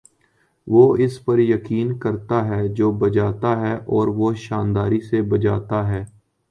وہ اس پر یقین کرتا ہے جو بجاتا ہے اور وہ شانداری سے بجاتا ہے